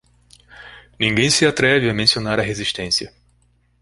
Ninguém se atreve a mencionar a resistência